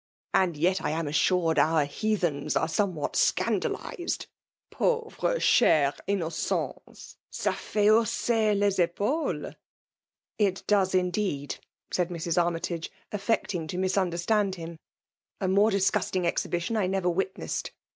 " And yet I am assured our Heathens are somewhat scandalized ? Panares chers m ; nocen$ !— fo fait hauMser lea ^aules !"" It does indeed !" said Mrs. Armytage, affecting to misunderstand him. " A morQ disgusting exhibition I never witnessed.